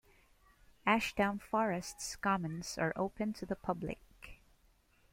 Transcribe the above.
Ashdown Forest's commons are open to the public.